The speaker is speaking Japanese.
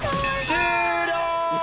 終了！